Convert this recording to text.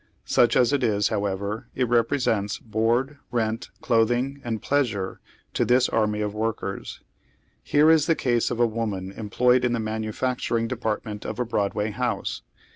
Such as it is, however, it represents board, rent, clothing, and " pleasure " to this army of workers. Here is the case of a woman employed in the manufacturing depart ment of a Broadway house.